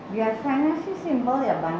biasanya sih simpel ya bang